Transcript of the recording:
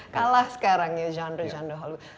kalah sekarang ya genre genre hallo